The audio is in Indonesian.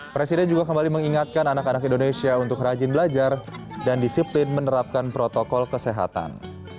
presiden juga kembali mengingatkan anak anak indonesia untuk rajin belajar dan disiplin menerapkan protokol kesehatan